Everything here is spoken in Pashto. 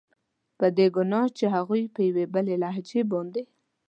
په دې ګناه چې هغوی په یوې بېلې لهجې باندې.